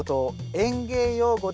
園芸用語で。